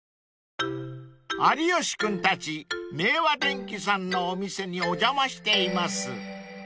［有吉君たち明和電機さんのお店にお邪魔しています］